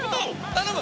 頼む